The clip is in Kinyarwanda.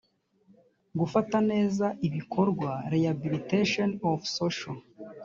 gufata neza ibikorwa rehabilitation of social